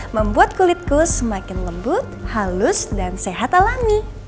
membuat kulitku semakin lembut halus dan sehat alami